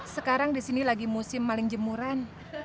sekarang di sini lagi musim paling jemuran